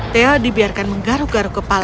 theo dibiarkan menggaruh garuh ke rumah